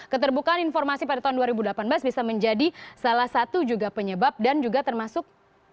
keterbukaan informasi pada tahun dua ribu delapan belas bisa menjadi salah satu juga penyebab dan juga termasuk